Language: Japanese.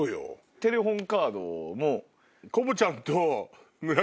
テレホンカードも。